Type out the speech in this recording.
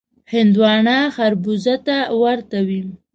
هندوانه خړبوزه ته ورته وي.